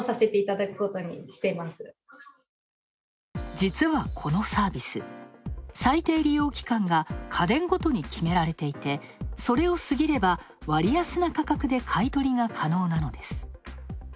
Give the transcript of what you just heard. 実は、このサービス、最低利用期間が家電ごとに決められていて、それを過ぎれば割安な価格で買い取りが可能なのです。